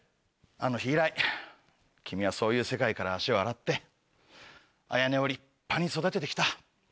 あの日以来君はそういう世界から足を洗って綾音を立派に育てて来た。